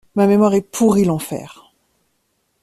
Ma mémoire est pourrie l'enfer.